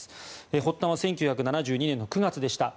発端は１９７２年の９月でした。